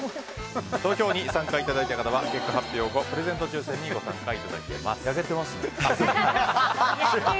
投票に参加いただいた方は結果発表後プレゼント抽選に焼けてます？